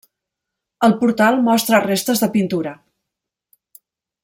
El portal mostra restes de pintura.